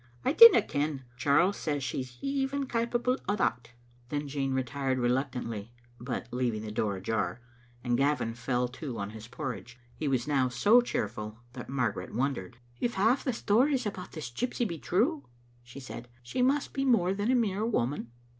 "I dinna ken. Charles says she's even capable o' that." Then Jean retired reluctantly (but leaving the door ajar) and Gavin fell to on his porridge. He was now so cheerful that Margaret wondered. Digitized by VjOOQ IC 84 «be little Afni0tet« ''If half the stories about this gypsy be true/' she said, ''she must be more than a mere woman."